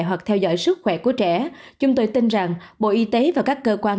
hoặc theo dõi sức khỏe của trẻ chúng tôi tin rằng bộ y tế và các cơ quan